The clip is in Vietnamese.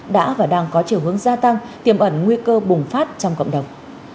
đã và đang có chiều hướng gia tăng tiềm ẩn nguy cơ bùng phát trong cộng đồng